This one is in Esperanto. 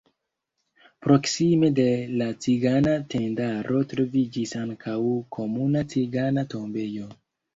Proksime de la cigana tendaro troviĝis ankaŭ komuna cigana tombejo.